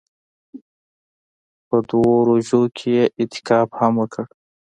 په دوو روژو کښې يې اعتکاف هم وکړ.